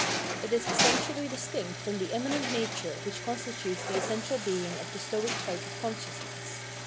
It is essentially distinct from the immanent nature which constitutes the essential being of the stoic type of consciousness.